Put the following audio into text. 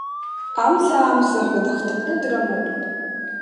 Амза, Амза ҳәа дыхҭакны дрымоуп.